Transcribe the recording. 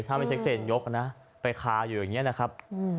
ถ้าไม่เช็คเซนยกนะไปคาอยู่อย่างนี้นะครับ